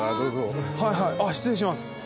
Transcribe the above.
岡安：失礼します。